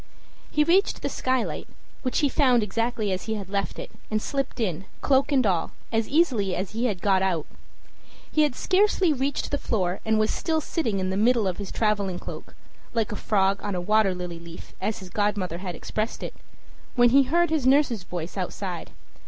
He reached the skylight, which he found exactly as he had left it, and slipped in, cloak and all, as easily as he had got out. He had scarcely reached the floor, and was still sitting in the middle of his traveling cloak, like a frog on a water lily leaf, as his godmother had expressed it, when he heard his nurse's voice outside.